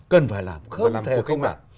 cần phải làm không thể không làm